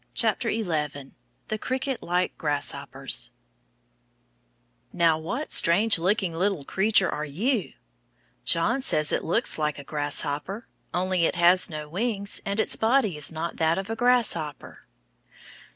Happy katydids. THE CRICKET LIKE GRASSHOPPERS Now what strange looking little creature are you? John says it looks like a grasshopper, only it has no wings and its body is not that of a grasshopper.